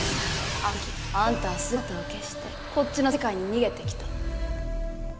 あの時アンタは姿を消してこっちの世界に逃げてきた。